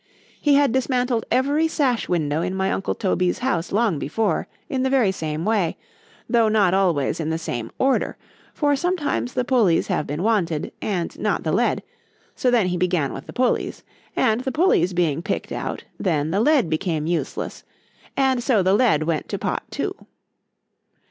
He had dismantled every sash window in my uncle Toby's house long before, in the very same way,—though not always in the same order; for sometimes the pullies have been wanted, and not the lead,—so then he began with the pullies,—and the pullies being picked out, then the lead became useless,—and so the lead went to pot too.